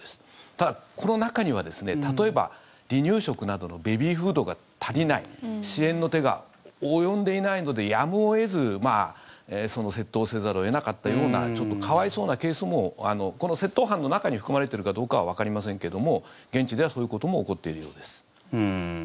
ただ、この中には例えば離乳食などのベビーフードが足りない支援の手が及んでいないのでやむを得ず窃盗せざるを得なかったようなちょっと可哀想なケースもこの窃盗犯の中に含まれてるかどうかはわかりませんけども現地ではそういうことも起こっているようです。